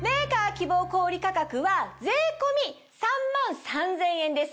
希望小売価格は税込み３万３０００円です。